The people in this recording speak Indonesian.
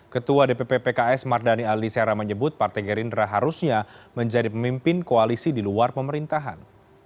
ketua dpp pks mardani alisera menyebut partai gerindra harusnya menjadi pemimpin koalisi di luar pemerintahan